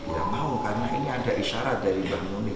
ya mau karena ini ada isyarat dari mbak nomi